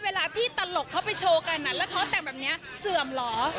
เวลาที่ตลกเขาไปโชว์กันและแบบนี้เสื่อมหรอ